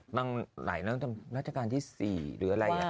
มาหลายราชการที่๔หรืออะไร